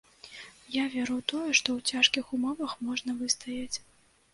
Я веру ў тое, што ў цяжкіх умовах можна выстаяць.